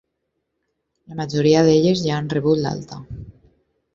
La majoria d’elles ja han rebut l’alta.